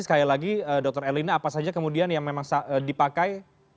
sekali lagi dr erlina apa saja kemudian yang memang dipakai